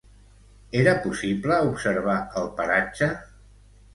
Era possible observar el paratge?